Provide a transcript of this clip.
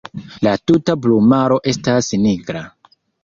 La tuta plumaro estas nigra.